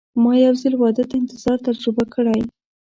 ما یو ځل واده ته انتظار تجربه کړی.